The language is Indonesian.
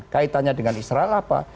kaitannya dengan israel apa